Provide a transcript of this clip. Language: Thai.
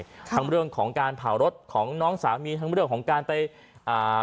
ครับทั้งเมื่อเรื่องของการเผารถของน้องสามีทั้งเมื่อเรื่องของการไปอ่า